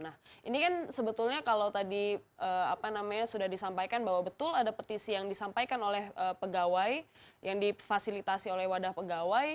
nah ini kan sebetulnya kalau tadi apa namanya sudah disampaikan bahwa betul ada petisi yang disampaikan oleh pegawai yang difasilitasi oleh wadah pegawai